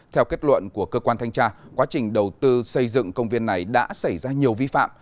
theo kết luận của cơ quan thanh tra quá trình đầu tư xây dựng công viên này đã xảy ra nhiều vi phạm